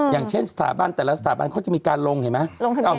อย่างเช่นสถาบันแต่ละสถาบันเขาจะมีการลงเห็นไหม